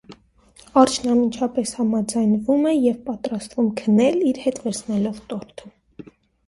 Արջն անմիջապես համաձայնվում է, և պատրաստվում քնել՝ իր հետ վերցնելով տորթը։